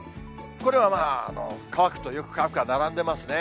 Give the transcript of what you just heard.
これは乾くとよく乾くが並んでいますね。